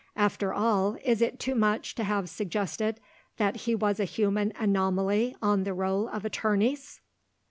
After all, is it too much to have suggested that he was a human anomaly on the roll of attorneys?